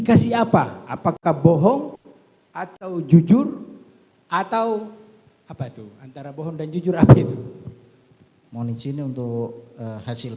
kasih apa apakah bohong atau jujur atau apa tuh antara bohong dan jujur abid monicin untuk hasil